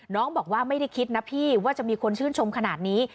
น้องบอกว่าไม่ได้คิดนะพี่ว่าจะมีคนชื่นชมขนาดนี้